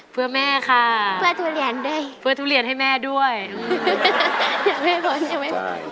เพื่อแม่ค่ะเพื่อทุเรียนด้วยเพื่อทุเรียนให้แม่ด้วยอย่าแม่พ้นอย่าแม่พ้น